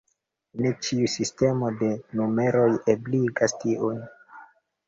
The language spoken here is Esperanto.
Ne ĉiu sistemo de numeroj ebligas tiun.